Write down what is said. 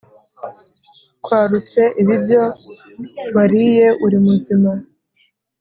kwarutse ibibyo wariye urimuzima.